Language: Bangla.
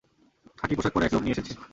খাকি পোশাক পরা এক লোক নিয়ে এসেছে।